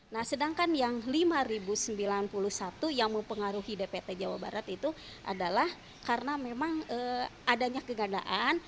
nah sedangkan yang lima sembilan puluh satu yang mempengaruhi dpt jawa barat itu adalah karena memang adanya kegandaan